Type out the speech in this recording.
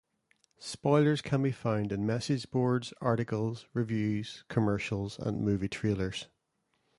Spoilers can be found in message boards, articles, reviews, commercials, and movie trailers.